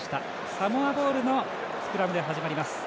サモアボールのスクラムで始まります。